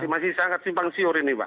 masih sangat simpang siur ini pak